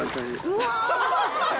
うわ。